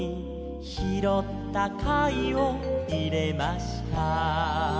「拾った貝を入れました」